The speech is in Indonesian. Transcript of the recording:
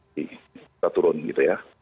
kita turun gitu ya